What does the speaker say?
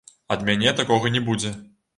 Ад мяне такога не будзе!